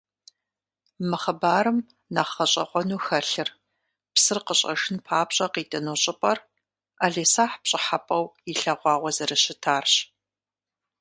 Мы хъыбарым нэхъ гъэщӏэгъуэну хэлъыр псыр къыщӏэжын папщӏэ къитӏыну щӏыпӏэр ӏэлисахь пщӏыхьэпӏэу илъэгъуауэ зэрыщытарщ.